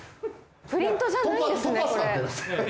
プリントじゃないんですね